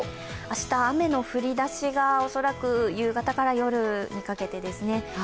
明日、雨の降りだしが恐らく夕方から夜にかけてですね。